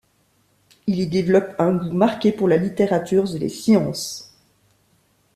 Il y développe un goût marqué pour la littérature et les sciences.